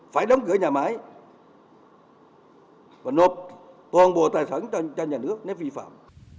phải đóng cửa nhà máy và nộp toàn bộ tài sản cho nhà nước nếu vi phạm